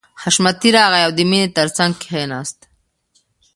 حشمتي راغی او د مینې تر څنګ کښېناست